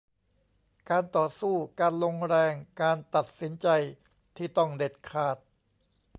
การต่อสู้ การลงแรง การตัดสินใจที่ต้องเด็ดขาด